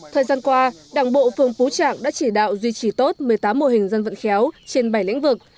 thời gian qua đảng bộ phường pú trạng đã chỉ đạo duy trì tốt một mươi tám mô hình dân vận khéo trên bảy lĩnh vực